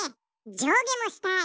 じょうげもしたい。